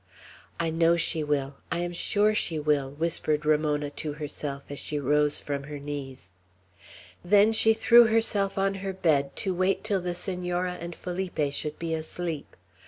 "I know she will! I am sure she will!" whispered Ramona to herself as she rose from her knees. Then she threw herself on her bed, to wait till the Senora and Felipe should be asleep.